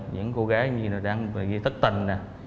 những cô gái như là đang ghi thất tình